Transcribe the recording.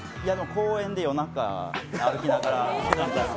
公園で夜中、歩きながら。